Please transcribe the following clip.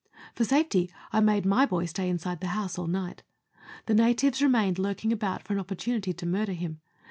For safety, I made my boy stay inside the house all night. The natives remained lurking about for an opportunity to murder him.